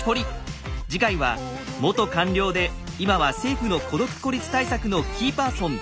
次回は元官僚で今は政府の孤独・孤立対策のキーパーソン